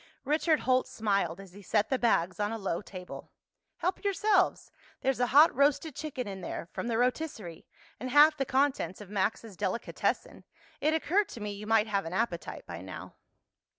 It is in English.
Richard Holt smiled as he set the bags on a low table. "Help yourselves. There's a hot roasted chicken in there, from the rotisserie, and half the contents of Max's delicatessen. It occurred to me you might have an appetite by now."